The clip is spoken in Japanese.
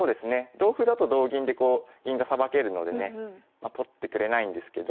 同歩だと同銀で銀がさばけるのでね取ってくれないんですけど。